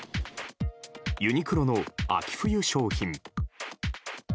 ユニクロの秋冬商品。